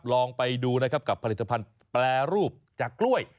ลองไปดูนะครับกับผลิตภัณฑ์แปรรูปจากกล้วย